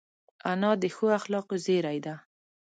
انا د ښو اخلاقو زېری ده